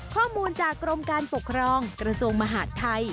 ข้อมูลจากกรมการปกครองกระทรวงมหาดไทย